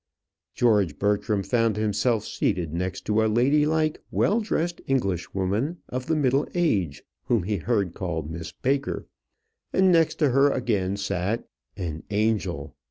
George Bertram found himself seated next to a lady like well dressed Englishwoman of the middle age, whom he heard called Miss Baker; and next to her again sat an angel!